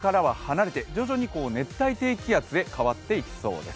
このあとは西へ進んで沖縄からは離れて徐々に熱帯低気圧へ変わっていきそうです。